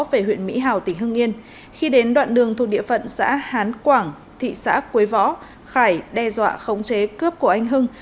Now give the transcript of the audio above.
về huyện mỹ hào tỉnh hưng yên khi đến đoạn đường thuộc địa phận xã hán quảng thị xã quế võ khải đe dọa khống chế cướp của anh hưng